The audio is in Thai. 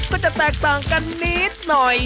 ก็จะแตกต่างกันนิดหน่อย